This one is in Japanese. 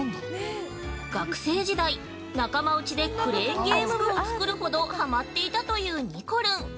◆学生時代、仲間内でクレーンゲーム部を作るほどハマっていたというにこるん。